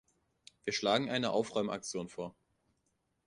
Wir schlagen eine Aufräumaktion vor.